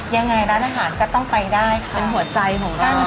ยังไงร้านอาหารก็ต้องไปได้ค่ะเป็นหัวใจของเรา